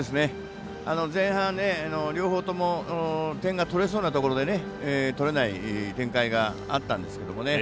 前半、両方とも点が取れそうなところで取れない展開があったんですけど。